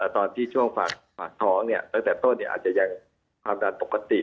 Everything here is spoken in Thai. ตอนที่ช่วงฝากท้องเนี่ยตั้งแต่ต้นเนี่ยอาจจะยังความดันปกติ